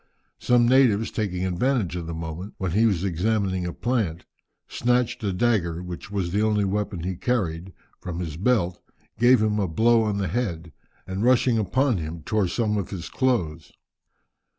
Some natives, taking advantage of the moment when he was examining a plant, snatched a dagger, which was the only weapon he carried, from his belt, gave him a blow on the head, and rushing upon him, tore some of his clothes.